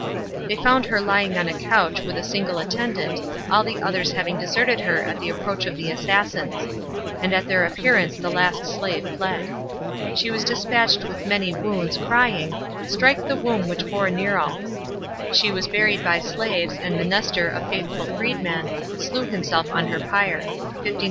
They found her lying on a couch, with a single attendant, all the others having deserted her at the approach of the assassins; and at their appearance the last slave fled. She was dispatched with many wounds, crying. " Strike the" womb which bore Nero." She was buried by slaves, and Mnester a faithful freedman, slew himself on her pyre (59 A.D.).